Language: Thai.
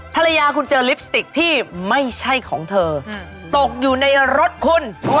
ภรรยาคุณเจอลิปสติกที่ไม่ใช่ของเธอตกอยู่ในรถคุณ